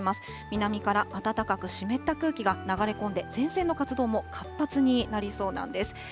南から暖かく湿った空気が流れ込んで、前線の活動も活発になりそうなんです。